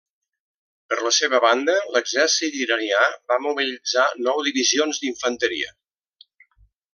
Per la seva banda, l'exèrcit iranià va mobilitzar nou divisions d'infanteria.